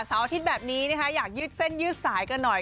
เสาร์อาทิตย์แบบนี้อยากยืดเส้นยืดสายกันหน่อย